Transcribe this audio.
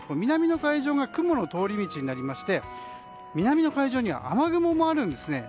南の海上が雲の通り道になりまして南の海上には雨雲もあるんです。